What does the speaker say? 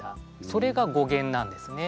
それが語源なんですね。